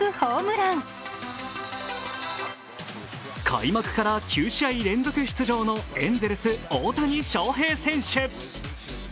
開幕から９試合連続出場のエンゼルス・大谷翔平選手。